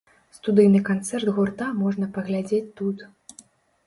Студыйны канцэрт гурта можна паглядзець тут.